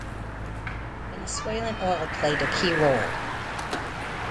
Venezuelan oil played a key role.